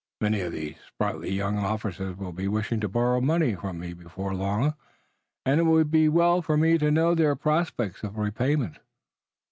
Many of these sprightly young officers will be wishing to borrow money from me before long, and it will be well for me to know their prospects of repayment."